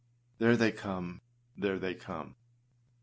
There they come, there they come.